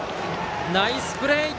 ナイスプレー！